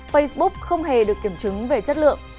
facebook không hề được kiểm chứng về chất lượng